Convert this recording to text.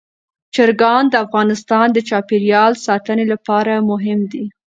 چرګان د افغانستان د چاپیریال ساتنې لپاره مهم دي.